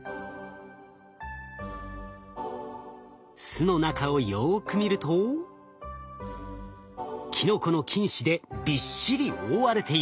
巣の中をよく見るとキノコの菌糸でびっしり覆われています。